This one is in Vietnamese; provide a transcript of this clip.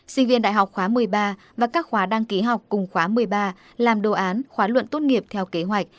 sinh viên đại học khóa một mươi ba và các khóa đăng ký học cùng khóa một mươi ba làm đồ án khóa luận tốt nghiệp theo kế hoạch